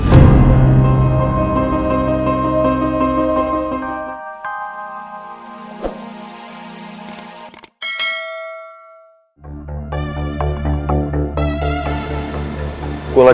gue mau kembali ke tempat yang lebih baik